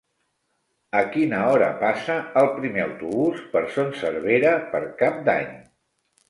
A quina hora passa el primer autobús per Son Servera per Cap d'Any?